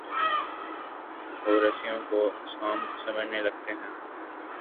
وہ رسیوں کو سانپ سمجھنے لگتے ہیں۔